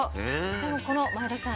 でもこの前田さん